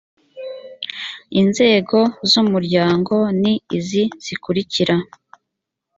inzego z’umuryango ni izi zikurikira